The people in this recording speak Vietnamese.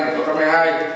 cảm bác tiêu chí